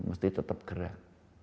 mesti tetap gerak